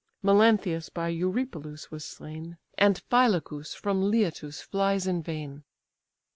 Melanthius by Eurypylus was slain; And Phylacus from Leitus flies in vain.